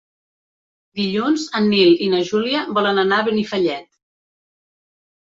Dilluns en Nil i na Júlia volen anar a Benifallet.